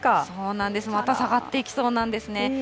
そうなんです、また下がっていきそうなんですね。